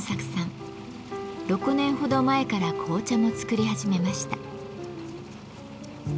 ６年ほど前から紅茶も作り始めました。